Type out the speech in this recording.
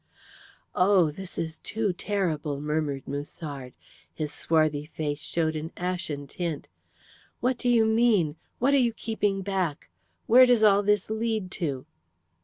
"Oh, this is too terrible," murmured Musard. His swarthy face showed an ashen tint. "What do you mean? What are you keeping back? Where does all this lead to?"